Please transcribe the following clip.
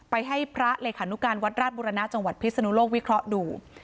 ให้พระเลขานุการวัดราชบุรณะจังหวัดพิศนุโลกวิเคราะห์ดู